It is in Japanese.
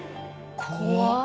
怖っ。